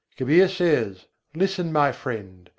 Kabîr says: "Listen, my friend!